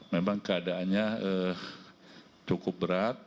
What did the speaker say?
memang keadaannya cukup berat